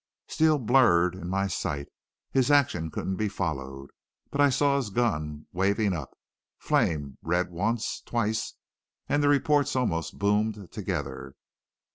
"Steele blurred in my sight. His action couldn't be followed. But I saw his gun, waving up, flame red once twice and the reports almost boomed together.